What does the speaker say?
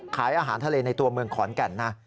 ขายอาหารทะเลในตัวเมืองขอนแก่นนะ